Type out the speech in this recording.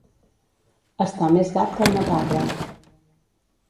Estar més gat que una parra.